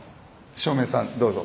照明さんどうぞ。